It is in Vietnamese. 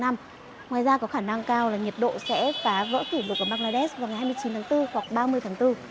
ngoài ra có khả năng cao là nhiệt độ sẽ phá vỡ kỷ lục ở bangladesh vào ngày hai mươi chín tháng bốn hoặc ba mươi tháng bốn